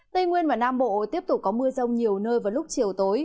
tây nguyên và nam bộ tiếp tục có mưa rông nhiều nơi vào lúc chiều tối